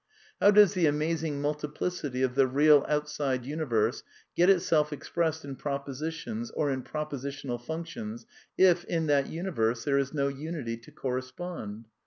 How does the amazing multiplicity of the real outside universe get itself expressed in propositions or in propositional func I tions, if, in that universe, there is no unity to correspond